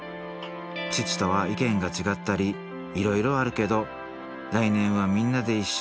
父とは意見が違ったりいろいろあるけど来年はみんなで一緒にお節を食べたいな